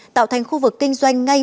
tạo thành khu vực kinh doanh ngay